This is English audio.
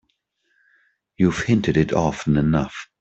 You've hinted it often enough.